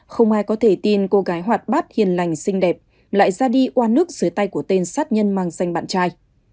không ai có thể tin cô gái hoạt bát hiền lành xinh đẹp lại ra đi qua nước dưới tay của tên sát nhân mang danh bạn trai